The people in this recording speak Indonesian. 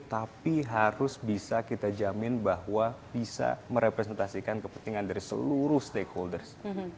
tapi harus bisa kita jamin bahwa bisa merepresentasikan kepentingan dari seluruh stakeholders